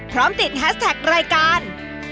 พร้อมติดแฮสแท็กรายการ